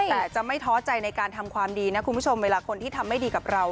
แต่จะไม่ท้อใจในการทำความดีนะคุณผู้ชมเวลาคนที่ทำไม่ดีกับเรา